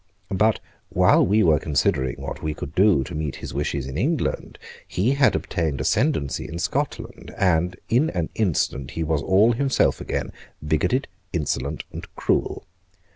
But, while we were considering what we could do to meet his wishes in England, he had obtained ascendency in Scotland; and, in an instant, he was all himself again, bigoted, insolent, and cruel.